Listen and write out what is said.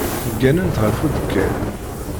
Gganent ɣef udekkan.